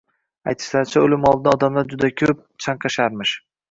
Aytishlaricha, o`lim oldidan odamlar juda ko`p chanqasharmish